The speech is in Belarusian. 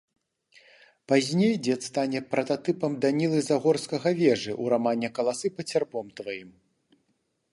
Пазней дзед стане прататыпам Данілы Загорскага-Вежы ў рамане «Каласы пад сярпом тваім».